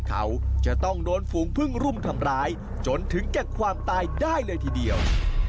เขาจะต้องโดนฝูงพึ่งรุมทำร้ายจนถึงแก่ความตายได้เลยทีเดียว